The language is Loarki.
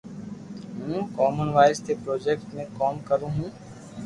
ھون ڪومن وائس تو پروجيڪٽ تي ڪوم ڪرو ھون